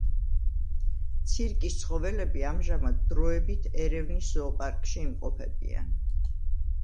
ცირკის ცხოველები, ამჟამად, დროებით, ერევნის ზოოპარკში იმყოფებიან.